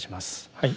はい。